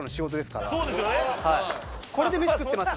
これで飯食ってます。